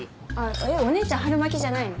お姉ちゃん春巻きじゃないの？